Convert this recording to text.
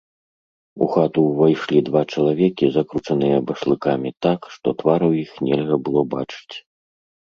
У хату ўвайшлі два чалавекі, закручаныя башлыкамі так, што твараў іх нельга было бачыць.